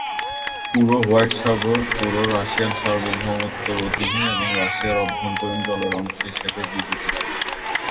পুরো হোয়াইট সাগর পুরো রাশিয়ান সার্বভৌমত্বের অধীনে এবং রাশিয়ার অভ্যন্তরীণ জলের অংশ হিসাবে বিবেচিত।